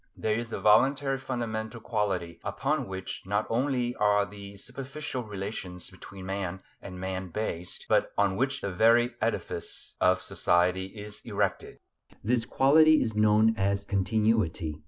There is a voluntary fundamental quality upon which not only are the superficial relations between man and man based, but on which the very edifice of society is erected. This quality is known as "continuity."